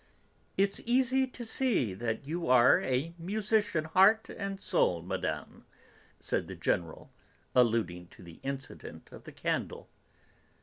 "It's easy to see that you're a musician heart and soul, Madame," said the General, alluding to the incident of the candle.